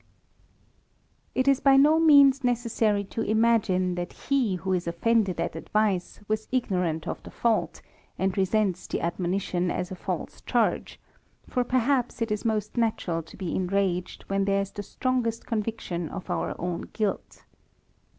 It is by no means necessary to imagine, that he who is offended at advice, was ignorant of the fault, and resents the admonition as a false charge ; for perhaps it is most natural to be enraged, when there is the strongest conviction of our own guilt.